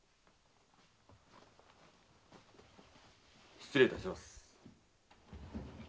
失礼いたします。